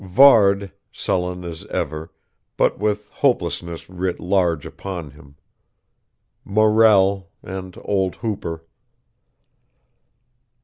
Varde, sullen as ever, but with hopelessness writ large upon him. Morrell, and old Hooper....